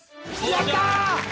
やったー！